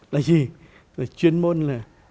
là gì là chuyên môn là